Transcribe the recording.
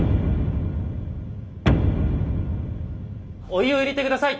お湯を入れて下さい。